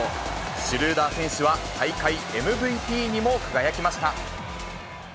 シュルーダー選手は大会ＭＶＰにも輝きました。